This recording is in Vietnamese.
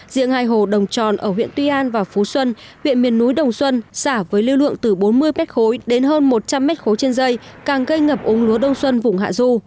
riêng hai hồ đồng tròn ở huyện tuy an và phú xuân huyện miền núi đồng xuân xả với lưu lượng từ bốn mươi m ba đến hơn một trăm linh m ba trên dây càng gây ngập úng lúa đông xuân vùng hạ du